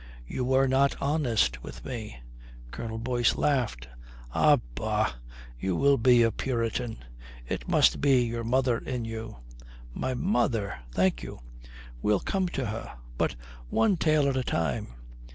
"You were not honest with me " Colonel Boyce laughed, "Ah, bah, you will be a Puritan. It must be your mother in you." "My mother! Thank you. We'll come to her. But one tale at a time.